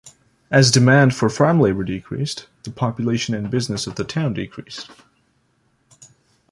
As demand for farm labor decreased, the population and business of the town decreased.